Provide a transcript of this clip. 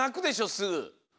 すぐ。